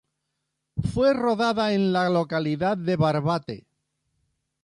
Fue rodada en la localidad de Barbate.